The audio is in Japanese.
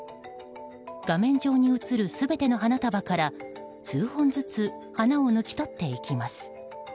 画面上に映る全ての花束から数本ずつ花を抜き取っていきます。